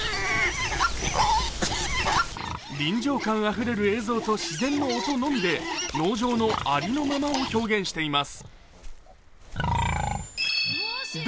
臨場感あふれる映像と自然の音のみで、農場のありのままを表現しています。